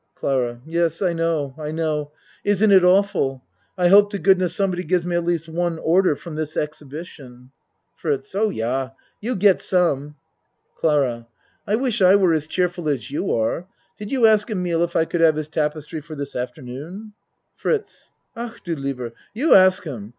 CLARA Yes I know I know. Isn't it awful? I hope to goodness somebody gives me at least one order from this exhibition. FRITZ Oh, yah, you get some. CLARA I wish I were as cheerful as you are. Did you ask Emile if I could have his tapestry for this afternoon? FRITZ Ach du lieber! You ask him.